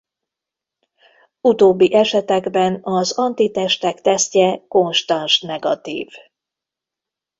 Utóbbi esetekben az antitestek tesztje konstans negatív.